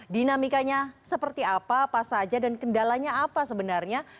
dinamikanya seperti apa apa saja dan kendalanya apa sebenarnya